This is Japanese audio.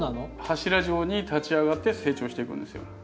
柱状に立ち上がって成長していくんですよ。